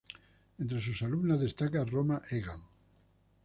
Entre sus alumnas destaca Roma Egan.